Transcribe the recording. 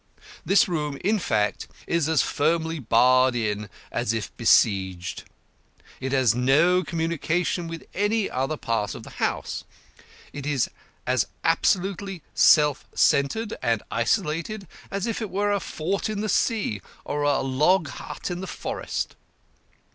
This room, in fact, is as firmly barred in as if besieged. It has no communication with any other part of the house. It is as absolutely self centred and isolated as if it were a fort in the sea or a log hut in the forest.